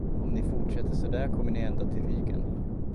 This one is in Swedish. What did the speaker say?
Om ni fortsätter så där, kommer ni ända till Rügen.